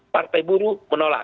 partai buruh menolak